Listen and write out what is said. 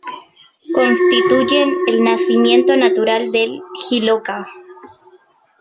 Constituyen el nacimiento natural del Jiloca.